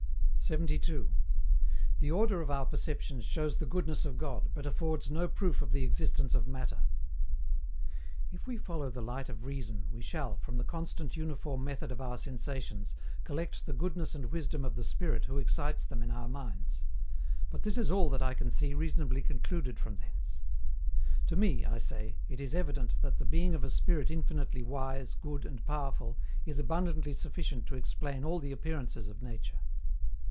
72. THE ORDER OF OUR PERCEPTIONS SHOWS THE GOODNESS OF GOD, BUT AFFORDS NO PROOF OF THE EXISTENCE OF MATTER. If we follow the light of reason, we shall, from the constant uniform method of our sensations, collect the goodness and wisdom of the Spirit who excites them in our minds; but this is all that I can see reasonably concluded from thence. To me, I say, it is evident that the being of a spirit infinitely wise, good, and powerful is abundantly sufficient to explain all the appearances of nature.